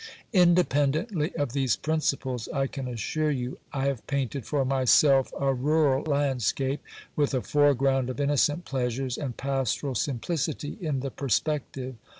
Inde pendently of these principles, I can assure you I have painted for myself a rural landscape, with a foreground of innocent pleasures, and pastoral simplicity in the perspective.